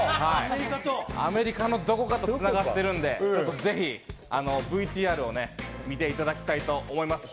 アメリカのどこかと繋がってるんで、ぜひＶＴＲをね、見ていただきたいと思います。